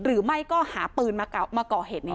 หรือไม่ก็หาปืนมาก่อเหตุนี้